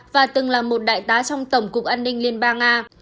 và từng là một đại tá trong tổng cục an ninh liên bang nga